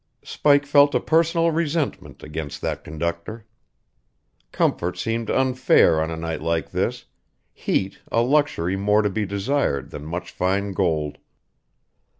Spike felt a personal resentment against that conductor. Comfort seemed unfair on a night like this; heat a luxury more to be desired than much fine gold.